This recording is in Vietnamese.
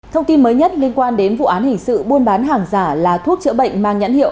thông tin mới nhất liên quan đến vụ án hình sự buôn bán hàng giả là thuốc chữa bệnh mang nhãn hiệu